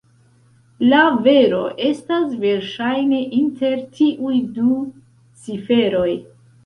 La vero estas verŝajne inter tiuj du ciferoj.